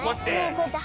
こうやって。